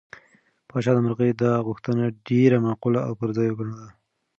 پاچا د مرغۍ دا غوښتنه ډېره معقوله او پر ځای وګڼله.